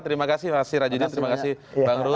terima kasih mas rajudin terima kasih bang ruth